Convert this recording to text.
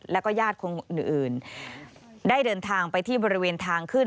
แล้วก็ญาติคนอื่นได้เดินทางไปที่บริเวณทางขึ้น